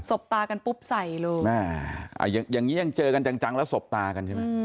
สบตากันปุ๊บใสลูก